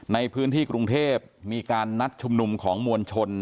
ในพื้นที่กรุงเทพมีการนัดชุมนุมของมวลชน